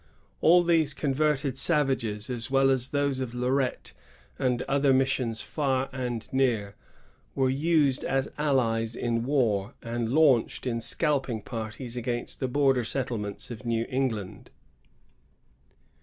All these converted savages, as well as those of Lorette and other missions far and near, were used as allies in war, and launched in scalping parties against the border settlements of New England.